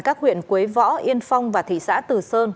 các huyện quế võ yên phong và thị xã từ sơn